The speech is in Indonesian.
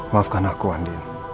maafkan aku andin